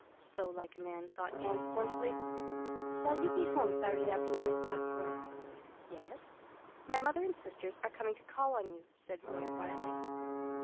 So like a man," thought Anne scornfully. "Shall you be home Saturday afternoon?" asked Roy. "Yes." "My mother and sisters are coming to call on you," said Roy quietly.